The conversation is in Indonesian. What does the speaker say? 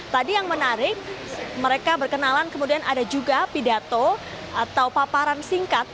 tadi yang menarik mereka berkenalan kemudian ada juga pidato atau paparan singkat